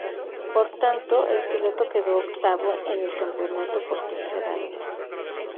Por tanto, el piloto quedó octavo en el campeonato por tercera vez.